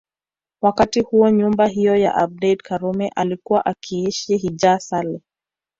Wakati huo nyumba hiyo ya Abeid Karume alikuwa akiishi Hija Saleh